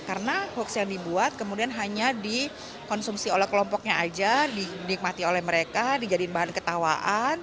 karena hoax yang dibuat kemudian hanya dikonsumsi oleh kelompoknya saja dinikmati oleh mereka dijadiin bahan ketawaan